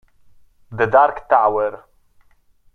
The Dark Tower